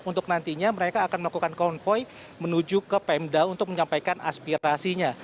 untuk nantinya mereka akan melakukan konvoy menuju ke pemda untuk menyampaikan aspirasinya